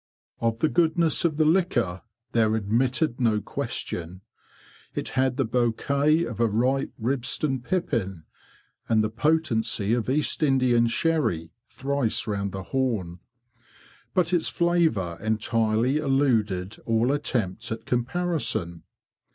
Of the goodness of the liquor there admitted no question. It had the bouquet of a ripe Ribston pippin, and the potency of East Indian sherry thrice round the Horn. But its flavour entirely eluded all attempt at comparison.